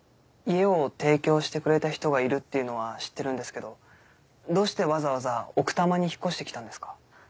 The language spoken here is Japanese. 家を提供してくれた人がいるというのは知ってるんですけどどうしてわざわざ奥多摩に引っ越してきたんですか？